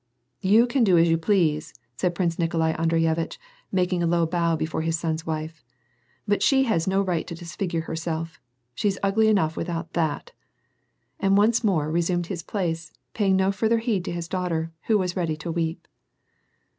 " You can do as you please," said Prince Nikolai Andreye vitch, making a low bow before his son's wife. " But she has no right to disfigure herself ; she's ugly enough without that" And he once more resumed his place, paying no further heed to his daughter, who was ready to weep.